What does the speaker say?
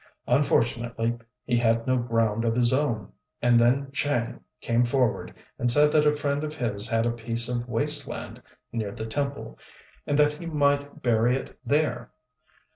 Unfortunately, he had no ground of his own, and then Chang came forward and said that a friend of his had a piece of waste land near the temple, and that he might bury it there.